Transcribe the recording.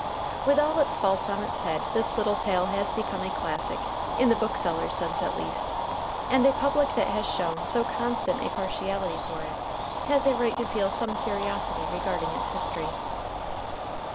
With all its faults on its head, this little tale has become a classic, in the bookseller's sense at least; and a public that has shown so constant a partiality for it has a right to feel some curiosity regarding its history.